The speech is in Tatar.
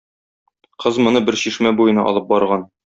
Кыз моны бер чишмә буена алып барган.